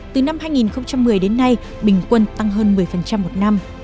từ năm hai nghìn một mươi đến nay bình quân tăng hơn một mươi một năm